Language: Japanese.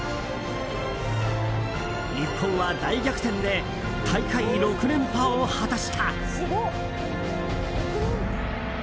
日本は大逆転で大会６連覇を果たした。